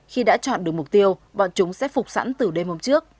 khi đã chọn được mục tiêu bọn chúng sẽ phục sẵn từ đêm hôm trước